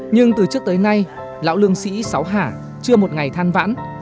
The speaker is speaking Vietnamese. nhưng từ trước tới nay lão lương sĩ sáu hạ chưa một ngày than vãn